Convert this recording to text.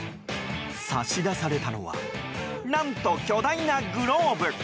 差し出されたのは何と巨大なグローブ。